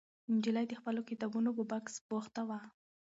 نجلۍ د خپلو کتابونو په بکس بوخته وه.